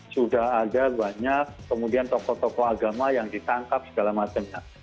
sudah ada banyak kemudian tokoh tokoh agama yang ditangkap segala macamnya